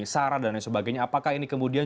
sara dan lain sebagainya apakah ini kemudian